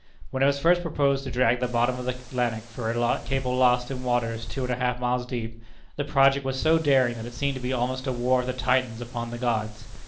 When it was first proposed to drag the bottom of the Atlantic for a cable lost in waters two and a half miles deep, the project was so daring that it seemed to be almost a war of the Titans upon the gods.